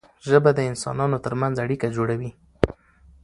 ژبه د انسانانو ترمنځ اړیکه جوړوي.